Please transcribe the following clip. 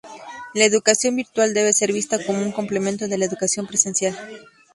La educación virtual debe ser vista como un complemento de la educación presencial.